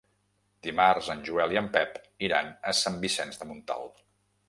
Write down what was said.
Dimarts en Joel i en Pep iran a Sant Vicenç de Montalt.